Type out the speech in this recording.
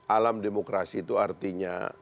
alam demokrasi itu artinya